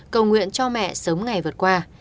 cầu nguyện cho mẹ sớm ngày vượt qua